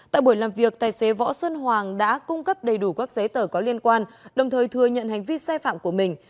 tại buổi làm việc tài xế võ xuân hoàng đã cung cấp đầy đủ các giấy tờ có liên quan đồng thời thừa nhận hành vi sai phạm của mình